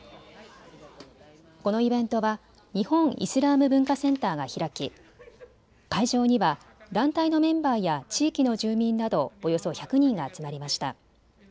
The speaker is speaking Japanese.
このイベントは日本イスラーム文化センターが開き会場には団体のメンバーや地域の住民などおよそ１００人が集まりました。